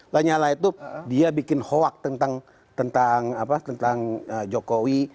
lanyala itu dia bikin hoak tentang jokowi